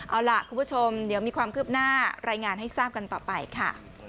เอาล่ะคุณผู้ชมเดี๋ยวมีความคืบหน้ารายงานให้ทราบกันต่อไปค่ะ